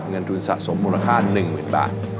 เงินทุนสะสมมูลค้า๑หมื่นบาท